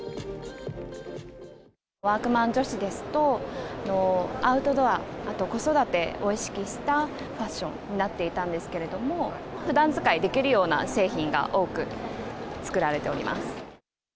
ワークマン女子ですと、アウトドア、あと子育てを意識したファッションになっていたんですけれども、ふだん使いできるような製品が多く作られております。